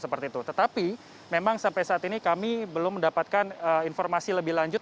seperti itu tetapi memang sampai saat ini kami belum mendapatkan informasi lebih lanjut